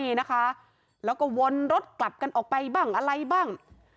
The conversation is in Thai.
นี่นะคะแล้วก็วนรถกลับกันออกไปบ้างอะไรบ้าง